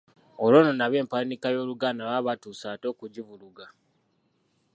Olwo nno nabo empandiika y’Oluganda baba batuuse ate okugivuluga.